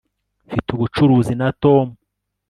mfite ubucuruzi na tom